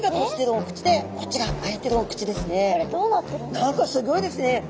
何かすギョいですね。